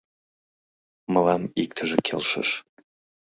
— Мылам иктыже келшыш...